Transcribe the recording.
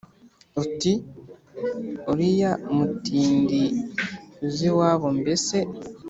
ati uriya mutindi, uze i wabo, mbese?